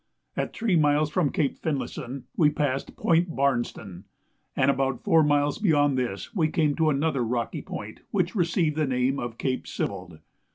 At three miles from Cape Finlayson we passed Point Barnston, and about four miles beyond this we came to another rocky point, which received the name of Cape Sibbald.